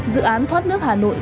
dự án thoát nước hà nội